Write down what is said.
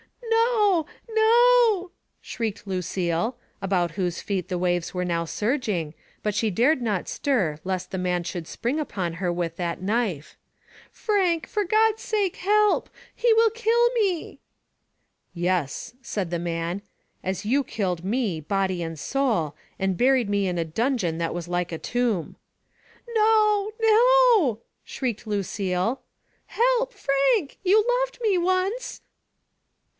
"No, no," shrieked Lucille, about whose feet the waves were now surging, but she dared not stir lest the man should spring upon her with that knife. 'Frank, for God's sake, help! He will kill me." Digitized by Google GEORGE MANVILIE EE^^. 285 Yes/* said the man, "as you killed me, body and soul, and buried me in a dungeon that was like a tomb." "No, no I" shrieked Lucille. "Help, Frank! You loved me once."